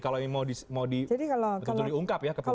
kalau ini mau disahkan